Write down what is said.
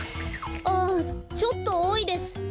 ああちょっとおおいです。